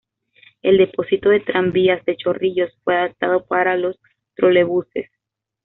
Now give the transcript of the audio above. El depósito de tranvías de Chorrillos fue adaptado para los trolebuses.